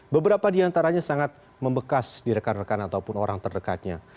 beberapa di antaranya sangat membekas di rekan rekan ataupun orang terdekatnya